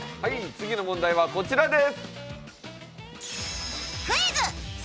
次の問題は、こちらです。